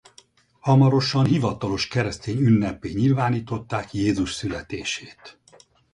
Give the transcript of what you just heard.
Hamarosan hivatalos keresztény ünneppé nyilvánították Jézus születését.